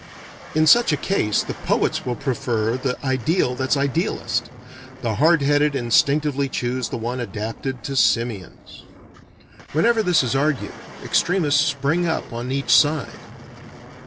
In such a case, the poets will prefer the ideal that's idealest: the hard headed instinctively choose the one adapted to simians. Whenever this is argued, extremists spring up on each side.